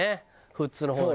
富津の方。